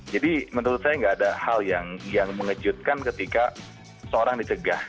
menurut saya nggak ada hal yang mengejutkan ketika seorang dicegah